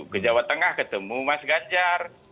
ke jawa tengah ketemu mas ganjar